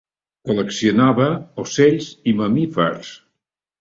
Col·leccionava ocells i mamífers.